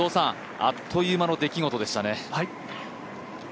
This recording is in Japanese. あっという間の出来事でしたね。